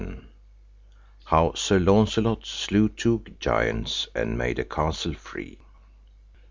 How Sir Launcelot slew two giants, and made a castle free.